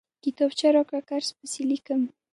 کتابچه راکړه، قرض پسې ليکم!